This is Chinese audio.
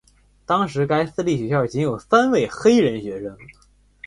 当时该私立学校仅有三位黑人学生。